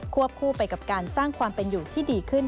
คู่ไปกับการสร้างความเป็นอยู่ที่ดีขึ้น